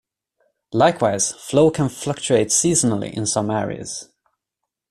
Likewise, flow can fluctuate seasonally in some areas.